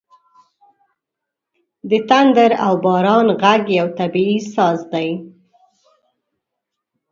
• د تندر او باران ږغ یو طبیعي ساز دی.